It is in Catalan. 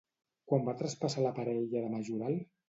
Quan va traspassar la parella de Majoral?